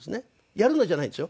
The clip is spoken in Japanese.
「やるの？」じゃないですよ。